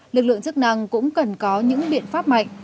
lực lượng chức năng cũng cần có những biện pháp mạnh